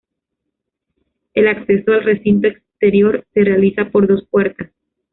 El acceso al recinto exterior se realiza por dos puertas.